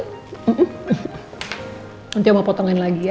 nanti aku mau potongin lagi ya